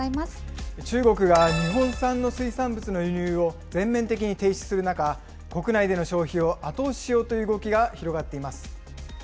中国が日本産の水産物の輸入を全面的に停止する中、国内での消費を後押ししようという動きが広がっています。